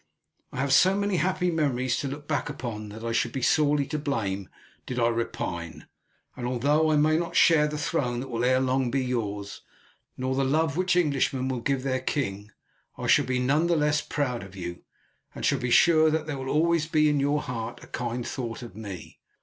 I have so many happy memories to look back upon that I should be sorely to blame did I repine, and although I may not share the throne that will ere long be yours, nor the love which Englishmen will give their king, I shall be none the less proud of you, and shall be sure that there will be always in your heart a kind thought of me.